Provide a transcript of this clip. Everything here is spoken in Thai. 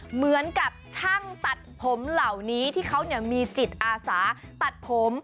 เหมือนกับช่างตัดผมเหล่านี้ที่เขามีจิตอาสาตัดผม